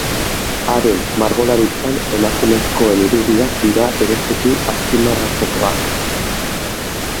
Haren margolaritzan emakumezkoen irudiak dira bereziki azpimarratzekoak.